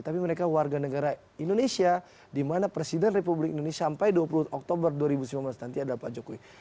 tapi mereka warga negara indonesia di mana presiden republik indonesia sampai dua puluh oktober dua ribu sembilan belas nanti ada pak jokowi